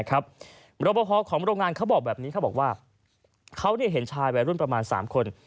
รบพอของโรงงานเขาบอกแบบนี้เขาบอกว่าเขาเห็นชายวัยรุ่นประมาณ๓คน